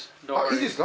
いいですか？